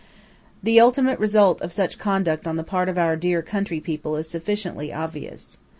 The ultimate result of such conduct on the part of our dear country people is sufficiently obvious.